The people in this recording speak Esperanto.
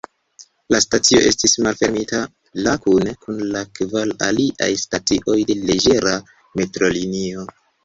La stacio estis malfermita la kune kun la kvar aliaj stacioj de leĝera metrolinio.